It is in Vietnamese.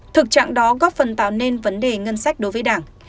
thực trạng đó góp phần tạo nên vấn đề ngân sách đối với đảng